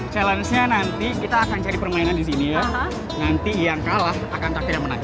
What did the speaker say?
challenge nya nanti kita akan cari permainan di sini ya nanti yang kalah akan takdir yang menang